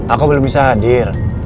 aku belum bisa hadir